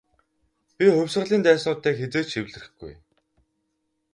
Би хувьсгалын дайснуудтай хэзээ ч эвлэрэхгүй.